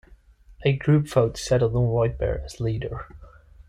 A group vote settled on Whitebear as leader.